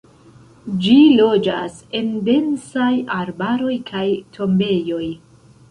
Ĝi loĝas en densaj arbaroj, kaj tombejoj.